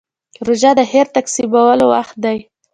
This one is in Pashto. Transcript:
روژه د خیر تقسیمولو وخت دی.